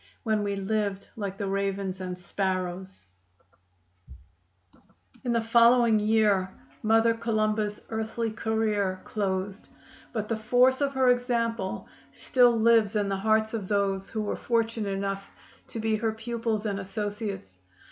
When we lived like the ravens and sparrows, In the following year Mother Columba's earthly career closed, but the force of her example still lives in the hearts of those who were fortunate enough to be her pupils and associates.